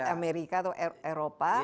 amerika atau eropa